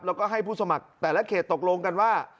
แล้วก็ให้ผู้สมัครแต่ละเขตตกลงกันว่า